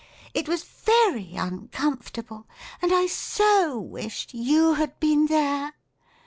It was very uncomfortable and I so wished you had been there.